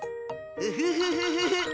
フフフフフフ！